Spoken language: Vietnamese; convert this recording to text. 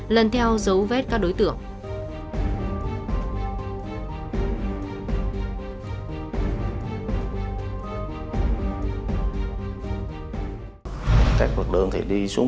lần theo giấu vết các đối tượng